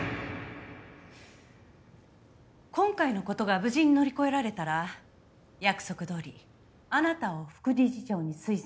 今回の事が無事に乗り越えられたら約束どおりあなたを副理事長に推薦しますから。